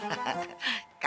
kalo warung sulam bangkrut